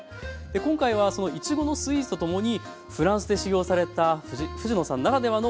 今回はそのいちごのスイーツとともにフランスで修業された藤野さんならではのお話も伺っていきたいと思います。